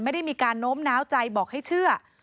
ไม่ได้มีการโน้มน้าวใจบอกให้เชื่อ